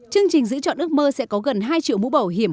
chương trình giữ chọn ước mơ sẽ có gần hai triệu mũ bảo hiểm